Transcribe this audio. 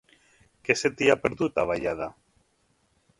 Què se t'hi ha perdut, a Vallada?